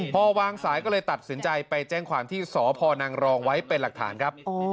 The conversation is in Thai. พอวางสายก็เลยตัดสินใจไปแจ้งความที่สพนังรองไว้เป็นหลักฐานครับ